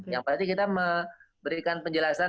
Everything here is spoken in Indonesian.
yang pasti kita memberikan penjelasan